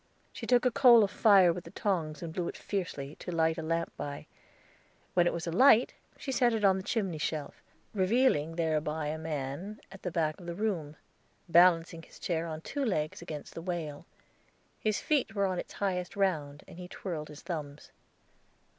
She took a coal of fire with the tongs, and blew it fiercely, to light a lamp by. When it was alight, she set it on the chimney shelf, revealing thereby a man at the back of the room, balancing his chair on two legs against the wail; his feet were on its highest round, and he twirled his thumbs.